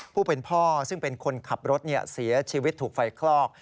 ผู้เป็นพ่อซึ่งเป็นคนขับรถเสียชีวิตถูกไฟคลอก